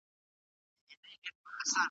ماشومان له مودې راهیسې په مینه زده کړه کوله.